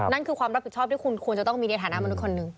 นั่นคือความรับผิดชอบที่คุณควรจะต้องมีในฐานะมนุษย์คนหนึ่ง